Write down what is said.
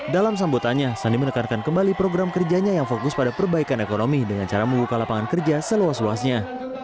dalam sambutannya sandi menekankan kembali program kerjanya yang fokus pada perbaikan ekonomi dengan cara membuka lapangan kerja seluas luasnya